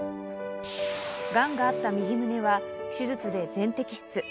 がんがあった右胸は手術で全摘出。